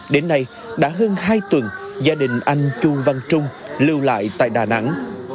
đến nay đã hơn hai tuần gia đình anh chu văn trung lưu lại tại đà nẵng